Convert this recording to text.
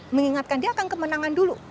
mengingatkan dia akan kemenangan dulu